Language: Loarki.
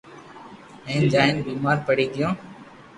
ھين جائين بيمار پڙي گيو